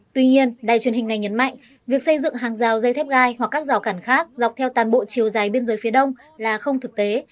tuy nhiên đài truyền hình này nhấn mạnh việc xây dựng hàng rào dây thép gai hoặc các rào cản khác dọc theo toàn bộ chiều dài biên giới phía đông là không thực tế